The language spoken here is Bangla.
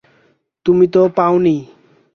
তুমি তো পাওনি।